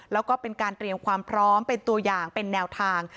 แล้วก็เป็นการเตรียมความพร้อมเป็นตัวอย่างเป็นแนวทาง